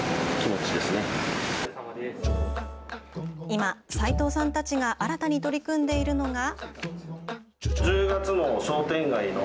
今、齋藤さんたちが新たに取り組んでいるのが。